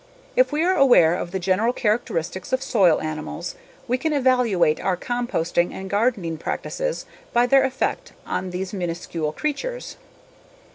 If we are aware of the general characteristics of soil animals we can evaluate our composting and gardening practices by their effect on these minuscule creatures.